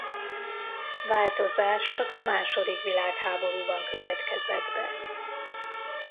Változás csak a második világháborúban következett be.